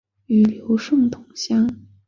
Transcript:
与刘胜同乡。